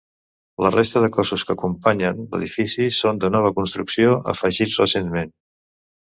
La resta de cossos que acompanyen l'edifici són de nova construcció, afegits recentment.